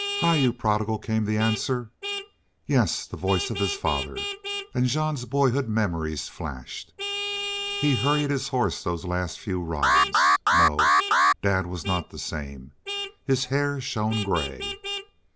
"Hi, You Prodigal!" came the answer. Yes, the voice of his father and Jean's boyhood memories flashed. He hurried his horse those last few rods. No dad was not the same. His hair shone gray.